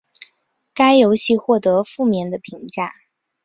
该游戏获得负面的评价。